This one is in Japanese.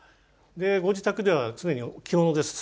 でご自宅では常に着物です。